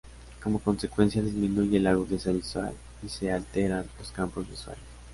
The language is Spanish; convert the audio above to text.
Como consecuencia disminuye la agudeza visual y se alteran los campos visuales.